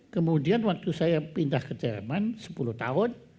kemudian waktu saya pindah ke jerman sepuluh tahun